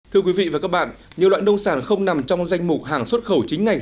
thưa quý vị và các bạn nhiều loại nông sản không nằm trong danh mục hàng xuất khẩu chính ngạch